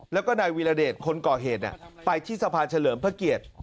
แล้วก็นายวิลเดชคนก่อเหตุน่ะไปที่สภาชะเหลือพระเกียจ